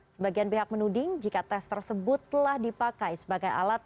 sebagian pihak menuding jika tes tersebut telah dipakai sebagai alat